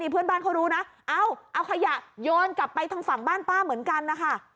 เพื่อนบ้านเขารู้นะเอาขยะโยนกลับไปทางฝั่งบ้านป้าเหมือนกันนะคะ